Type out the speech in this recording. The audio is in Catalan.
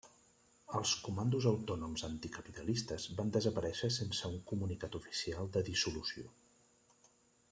Els Comandos Autònoms Anticapitalistes van desaparèixer sense un comunicat oficial de dissolució.